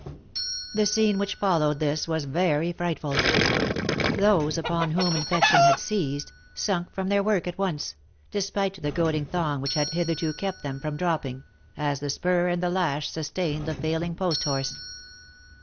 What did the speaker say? The scene which followed this was very frightful. — Those upon whom infection had seized, sunk from their work at once, despite the goading thong which had hitherto kept them from dropping— as the spur and the lash sustain the failing post horse.